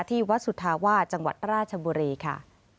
ที่วัดสุธาวาสจังหวัดราชบุรีค่ะ